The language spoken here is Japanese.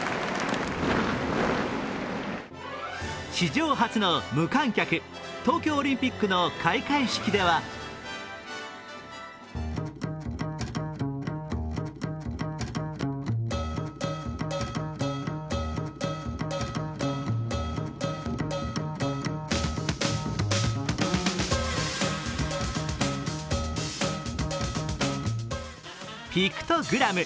史上初の無観客、東京オリンピックの開会式ではピクトグラム。